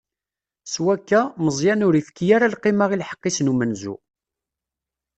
S wakka, Meẓyan ur ifki ara lqima i lḥeqq-is n umenzu.